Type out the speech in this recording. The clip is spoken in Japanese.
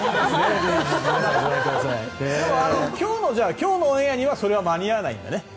今日のオンエアにそれは間に合わないんだ？